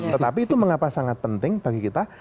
tetapi itu mengapa sangat penting bagi kita